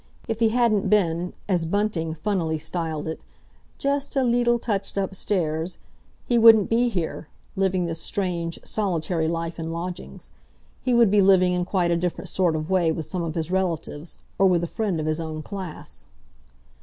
If he hadn't been, as Bunting funnily styled it, "just a leetle touched upstairs," he wouldn't be here, living this strange, solitary life in lodgings. He would be living in quite a different sort of way with some of his relatives, or with a friend of his own class.